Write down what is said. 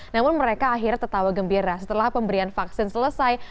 namun mereka akhirnya tertawa gembira setelah pemberian vaksin selesai